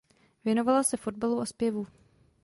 Věnovala se fotbalu a zpěvu.